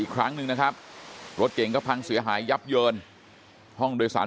อีกครั้งหนึ่งนะครับรถเก่งก็พังเสียหายยับเยินห้องโดยสาร